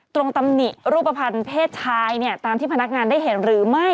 ตำหนิรูปภัณฑ์เพศชายเนี่ยตามที่พนักงานได้เห็นหรือไม่